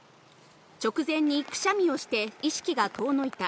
直前にくしゃみをして意識が遠のいた。